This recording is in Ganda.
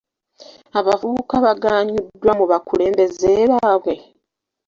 Abavubuka baganyuddwa mu bakulembeze baabwe?